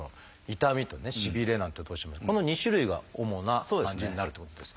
痛みとねしびれなんていってこの２種類が主な感じになるってことですか？